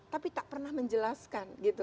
tapi tak pernah menjelaskan